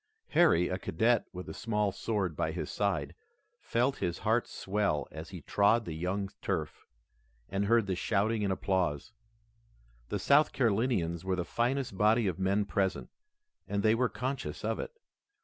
Harry, a cadet with a small sword by his side, felt his heart swell as he trod the young turf, and heard the shouting and applause. The South Carolinians were the finest body of men present, and they were conscious of it.